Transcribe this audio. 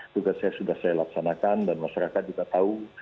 tugas saya sudah saya laksanakan dan masyarakat juga tahu